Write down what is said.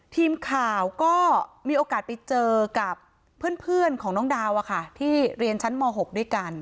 ทีมข่าวก็มีโอกาสไปเจอกับเพื่อนของน้องดาวที่เรียนชั้นม๖ด้วยกัน